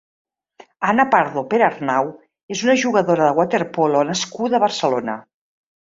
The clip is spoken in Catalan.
Anna Pardo Perarnau és una jugadora de waterpolo nascuda a Barcelona.